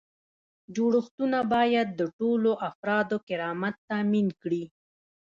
جوړښتونه باید د ټولو افرادو کرامت تامین کړي.